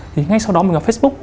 thì ngay sau đó mình vào facebook